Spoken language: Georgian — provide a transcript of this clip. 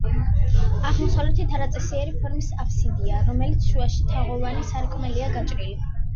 აღმოსავლეთით არაწესიერი ფორმის აფსიდია, რომლის შუაში თაღოვანი სარკმელია გაჭრილი.